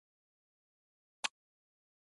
د اطلاعاتو او فرهنګ وزارت قبول کړم.